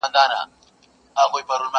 o اوبه د سر د خوا خړېږي.